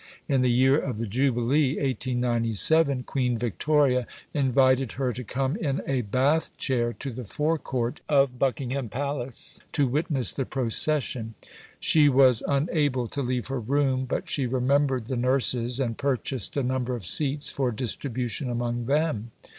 In the year of the Jubilee (1897) Queen Victoria invited her to come in a bath chair to the forecourt of Buckingham Palace to witness the procession. She was unable to leave her room, but she remembered the nurses and purchased a number of seats for distribution among them.